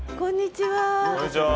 こんにちは。